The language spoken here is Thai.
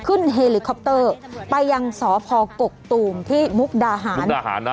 เฮลิคอปเตอร์ไปยังสพกกตูมที่มุกดาหารมุกดาหารนะ